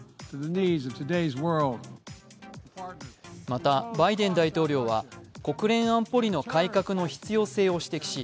またバイデン大統領は国連安保理の改革の必要性を指摘し